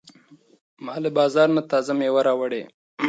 ما له بازار نه تازه مېوې راوړې.